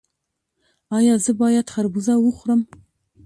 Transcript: ایا زه باید خربوزه وخورم؟